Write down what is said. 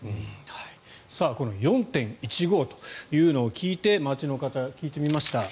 この４．１５というのを聞いて街の方に聞いてみました。